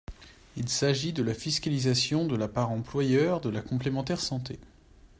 Il s’agit de la fiscalisation de la part employeur de la complémentaire santé.